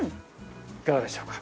いかがでしょうか？